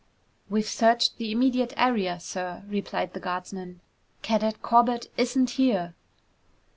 "We've searched the immediate area, sir," replied the guardsman. "Cadet Corbett isn't here."